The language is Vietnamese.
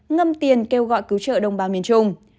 ngâm tiền kêu gọi cứu trợ đồng bào miền trung